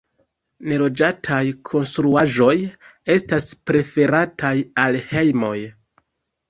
Neloĝataj konstruaĵoj estas preferataj al hejmoj.